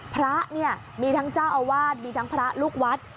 พระมีทั้งเจ้าอวาดมีทั้งพระลูกวัด